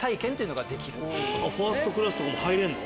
ファーストクラスとかも入れるの？